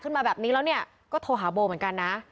มาแบบนี้แล้วเนี่ยก็โทรหาโบเหมือนกันนะ